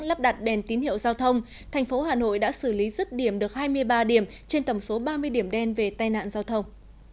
lắp đặt đèn tín hiệu giao thông thành phố hà nội đã xử lý rứt điểm được hai mươi ba điểm trên tầm số ba mươi điểm đen về tai nạn giao thông